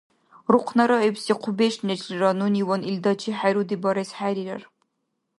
Рухънараибси хъубеш нешлира нуниван илдачи хӀеруди барес хӀерирар.